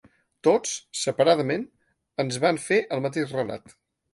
Tots, separadament, ens van fer el mateix relat.